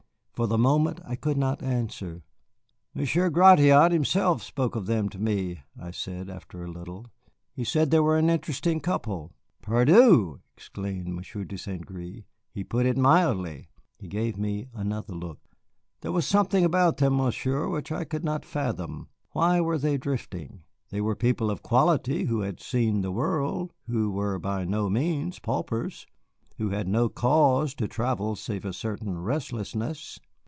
For the moment I could not answer. "Monsieur Gratiot himself spoke of them to me," I said, after a little; "he said they were an interesting couple." "Pardieu!" exclaimed Monsieur de St. Gré, "he put it mildly." He gave me another look. "There was something about them, Monsieur, which I could not fathom. Why were they drifting? They were people of quality who had seen the world, who were by no means paupers, who had no cause to travel save a certain restlessness.